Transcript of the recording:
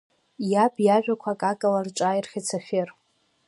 Иаб иажәақәа акакала рҿааирхеит Сафер.